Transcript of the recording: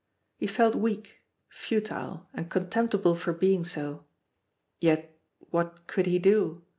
He felt weak, futile, and contemptible for being so, yet what could he do?